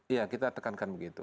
iya kita tekankan begitu